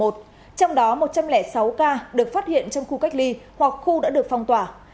trong đó một trăm linh sáu ca được phát hiện trong khu cách ly hoặc khu đã được phong tỏa